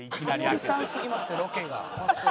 タモリさんすぎますってロケが。